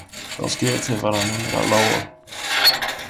De skrev till varandra under alla år.